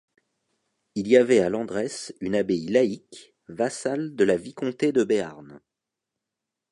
Il y avait à Lendresse une abbaye laïque, vassale de la vicomté de Béarn.